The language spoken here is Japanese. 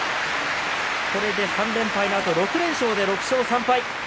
これで３連敗のあと６連勝で６勝３敗。